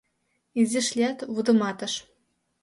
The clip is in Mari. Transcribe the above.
Изиш лият, вудыматыш: